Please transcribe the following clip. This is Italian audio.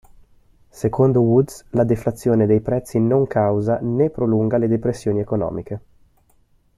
Secondo Woods, la deflazione dei prezzi non causa né prolunga le depressioni economiche.